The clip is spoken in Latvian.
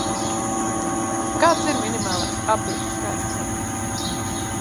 Kāds ir minimālais apdruku skaits?